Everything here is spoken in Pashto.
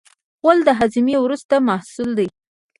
غول د هاضمې وروستی محصول دی.